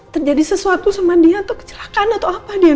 terjadi sesuatu sama dia atau kecelakaan atau apa dia